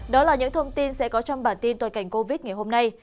đó là những thông tin sẽ có trong bản tin tồi cảnh covid ngày hôm nay